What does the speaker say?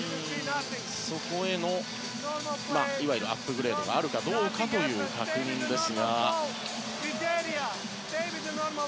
そこへのいわゆるアップグレードがあるかどうかという確認です。